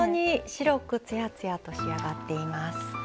白くつやつやと仕上がっています。